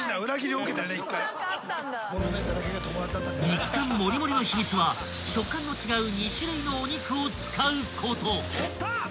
［肉感もりもりの秘密は食感の違う２種類のお肉を使うこと］